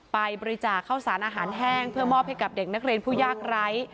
ไปบริจาคข้าวสารอาหารแห้งเพื่อมอบให้กับเด็กนักเรียนผู้ยากไร้